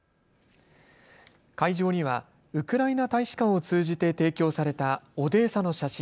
会場にはウクライナ大使館を通じて提供されたオデーサの写真